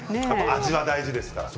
味が大事ですからね。